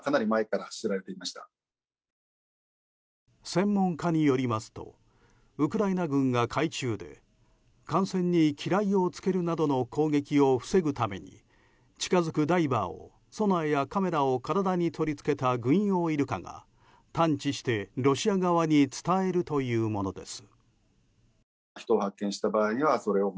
専門家によりますとウクライナ軍が海中で艦船に機雷をつけるなどの攻撃を防ぐために近づくダイバーをソナーやカメラを体に取り付けた軍用イルカが探知してロシア側に伝えるというものです。